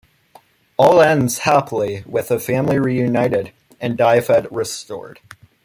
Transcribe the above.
All ends happily with the family reunited, and Dyfed restored.